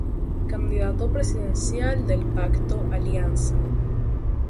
Candidato presidencial del pacto Alianza